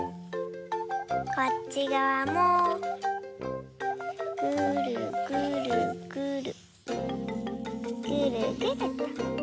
こっちがわもぐるぐるぐるぐるぐると。